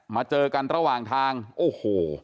เจอกันระหว่างทางโอ้โห